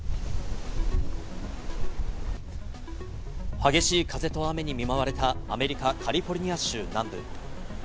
激しい風と雨に見舞われたアメリカ・カリフォルニア州南部。